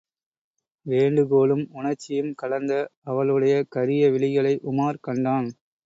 வேண்டுகோளும் உணர்ச்சியும் கலந்த அவளுடைய கரிய விழிகளை உமார் கண்டான்.